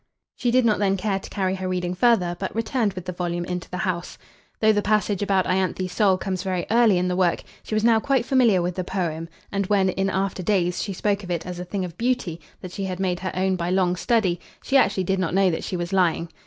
She did not then care to carry her reading further, but returned with the volume into the house. Though the passage about Ianthe's soul comes very early in the work, she was now quite familiar with the poem, and when, in after days, she spoke of it as a thing of beauty that she had made her own by long study, she actually did not know that she was lying.